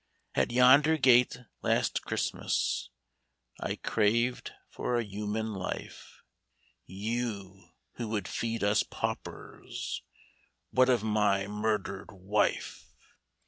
IS At yonder gate, last Christmas, I craved for a human life. You, who would feast us paupers. What of my murdered wife !